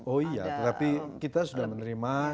oh iya tetapi kita sudah menerima